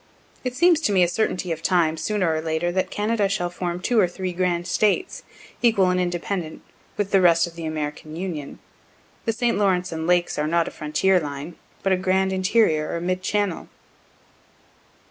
(It seems to me a certainty of time, sooner or later, that Canada shall form two or three grand States, equal and independent, with the rest of the American Union. The St. Lawrence and lakes are not for a frontier line, but a grand interior or mid channel.)